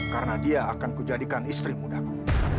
karena dia akan kujadikan istri mudaku